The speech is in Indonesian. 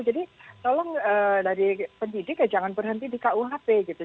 jadi tolong dari pendidik ya jangan berhenti di kuhp gitu